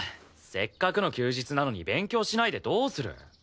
せっかくの休日なのに勉強しないでどうする。